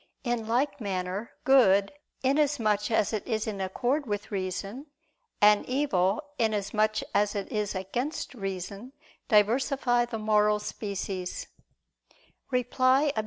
In like manner, good, inasmuch as it is in accord with reason, and evil, inasmuch as it is against reason, inasmuch as it is against reason, diversify the moral species. Reply Obj.